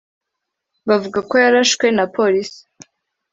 bavuga ko yarashwe na police